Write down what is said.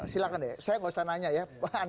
silahkan deh saya nggak usah nanya ya